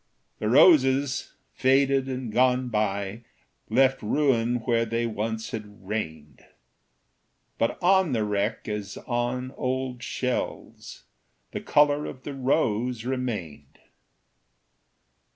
The roses, faded and gone by, Left ruin where they once had reigned; But on the wreck, as on old shells, The color of the rose remained.